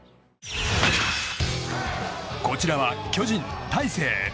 こちらは巨人、大勢。